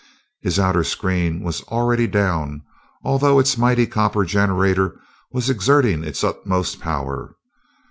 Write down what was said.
His outer screen was already down, although its mighty copper generator was exerting its utmost power.